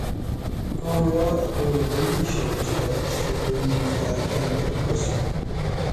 کاں یار اپان بگِیݭانش تہ سٞہ ڈمِین کاٞ تٞم رہ اُکس